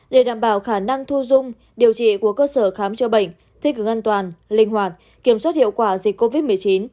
để đảm bảo khả năng thu dung điều trị của cơ sở khám cho bệnh thiết kế ngân toàn linh hoạt kiểm soát hiệu quả dịch covid một mươi chín